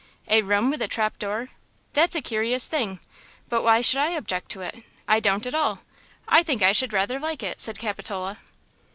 "A room with a trap door? That's a curious thing; but why should I object to it? I don't at all. I think I should rather like it," said Capitola.